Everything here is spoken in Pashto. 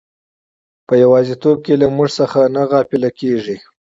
په یوازیتوب کې له موږ څخه نه غافله کیږي.